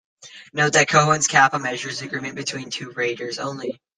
Note that Cohen's kappa measures agreement between two raters only.